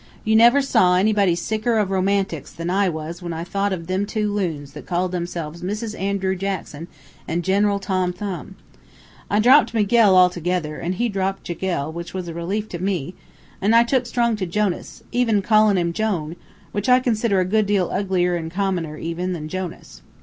You never saw anybody sicker of romantics than I was when I thought of them two loons that called themselves Mrs. Andrew Jackson and General Tom Thumb. I dropped Miguel altogether, an' he dropped Jiguel, which was a relief to me, an' I took strong to Jonas, even callin' him Jone, which I consider a good deal uglier an' commoner even than Jonas.